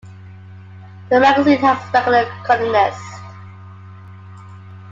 The magazine has regular columnists.